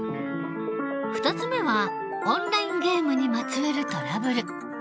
２つ目はオンラインゲームにまつわるトラブル。